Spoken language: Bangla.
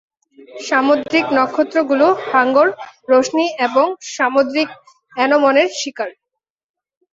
সামুদ্রিক নক্ষত্রগুলো হাঙ্গর, রশ্মি এবং সামুদ্রিক আ্যনোমনের শিকার।